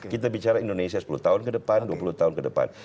kita bicara indonesia sepuluh tahun ke depan dua puluh tahun ke depan